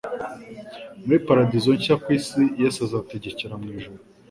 muri paradizo nshya ku isi yesu azategekera mu ijuru